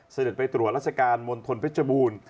เสด็จไปตรวจราชการมณฑลเพชรบูรณ์